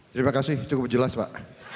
terima kasih cukup jelas pak